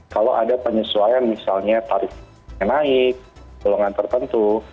kalau ada penyesuaian misalnya tarif yang naik dorongan tertentu